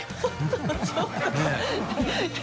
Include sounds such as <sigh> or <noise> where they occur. ちょっと <laughs> ねぇ。